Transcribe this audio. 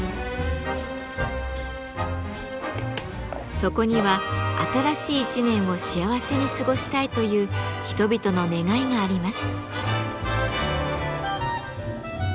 そこには新しい一年を幸せに過ごしたいという人々の願いがあります。